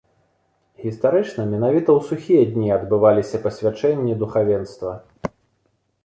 Гістарычна менавіта ў сухія дні адбываліся пасвячэнні духавенства.